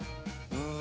うん。